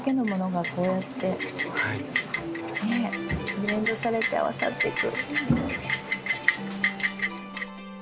ブレンドされて合わさっていく。